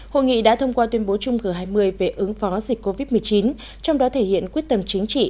hội nghị đã thông qua tuyên bố chung g hai mươi về ứng phó dịch covid một mươi chín trong đó thể hiện quyết tâm chính trị